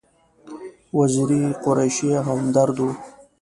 وزیری، قریشي او همدرد و.